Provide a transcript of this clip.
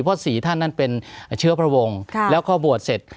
เพราะสี่ท่านนั้นเป็นเชื้อพระวงศ์แล้วพอบวชเสร็จ